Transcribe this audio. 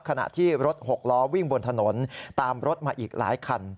ขณะที่รถหกล้อวิ่งบนถนนตามรถมาอีกหลายคัน